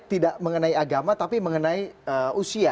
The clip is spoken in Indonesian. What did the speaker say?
tidak mengenai agama tapi mengenai usia